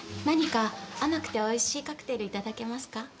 何か甘くておいしいカクテル頂けますか？